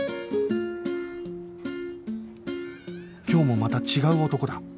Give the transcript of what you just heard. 今日もまた違う男だ